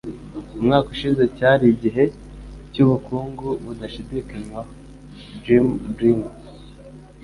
Umwaka ushize cyari igihe cyubukungu budashidikanywaho. (JimBreen)